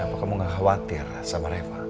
apakah kamu gak khawatir sama reva